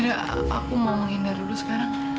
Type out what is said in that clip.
mungkin kamu mau menghindar dulu sekarang